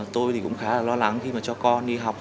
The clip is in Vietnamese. tôi thì cũng khá là lo lắng khi mà cho con đi học